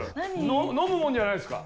飲むもんじゃないですか？